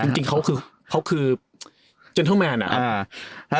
แต่จริงเขาคือเจนเทอร์แมนอะ